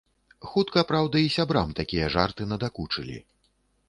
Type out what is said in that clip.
Хутка, праўда, і сябрам такія жарты надакучылі.